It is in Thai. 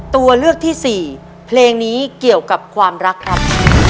ตัวเลือกที่สี่เพลงนี้เกี่ยวกับความรักครับ